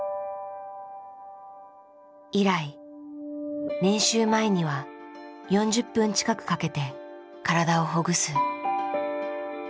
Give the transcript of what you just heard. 以来練習前には４０分近くかけて体をほぐす。